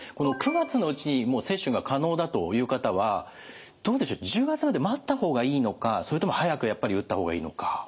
９月のうちに接種が可能だという方はどうでしょう１０月まで待った方がいいのかそれとも早くやっぱり打った方がいいのか？